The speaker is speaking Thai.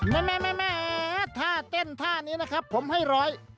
แม่แม่ท่าเต้นท่านี้นะครับผมให้ร้อย